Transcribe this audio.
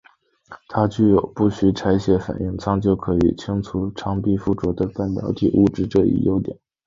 它具有不需拆卸反应舱就可以清除舱壁附着的半导体物质这一优点。